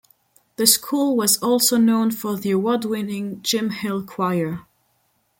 The school was also known for the award winning Jim Hill Choir.